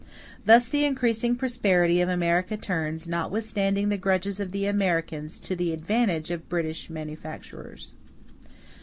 Thus the increasing prosperity of America turns, notwithstanding the grudges of the Americans, to the advantage of British manufactures.